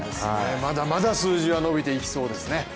まだまだ数字は伸びていきそうですね。